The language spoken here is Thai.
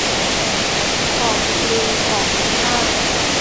ออกลิงออกค่าง